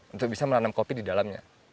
untuk bisa menanam kopi di dalamnya